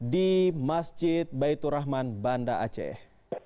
di masjid baitur rahman banda aceh